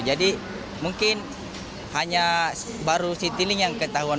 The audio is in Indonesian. jadi mungkin hanya baru citylink yang ketahuan